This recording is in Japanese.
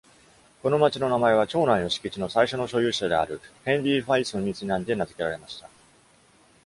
この町の名前は、町内の敷地の最初の所有者であるヘンリー・ファイソンにちなんで名付けられました。